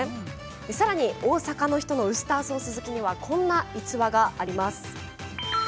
さらに大阪の人のウスターソース好きにはこんな逸話があります。